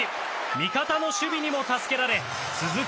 味方の守備にも助けられ続く